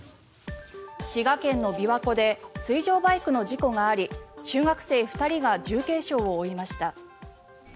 滋賀県の琵琶湖で水上バイクの事故があり中学生２人が重軽傷を負いました。